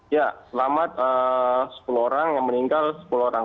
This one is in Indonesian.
ya selamat sepuluh orang yang meninggal sepuluh orang